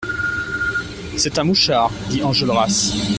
C'est un mouchard, dit Enjolras.